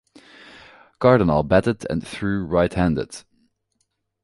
Cardenal batted and threw right-handed.